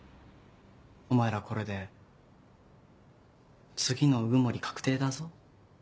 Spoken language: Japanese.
お前らこれで次の鵜久森確定だぞ？